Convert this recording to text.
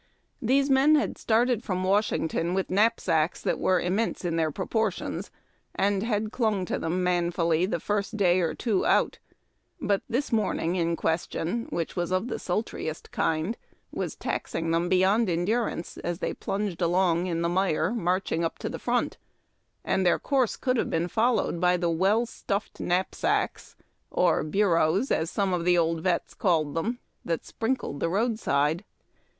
These men had started from Washington with knapsacks that were immense in their proportions, and had clung to them manfully the first day or two out, but this morning in question, which was of the sultriest kind, was taxing them beyond endurance, as they plunged along in the mire march ing up to the front; and their course could have been fol lowed by the well stuffed knapsacks — or " bureaus," as some of the old vets called them — that sprinkled tlie roadside.